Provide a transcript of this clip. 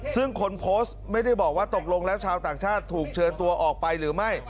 ซึ่งคนโพสต์ไม่ได้บอกว่าตกลงแล้วชาวต่างชาติถูกเชิญตัวออกไปหรือไม่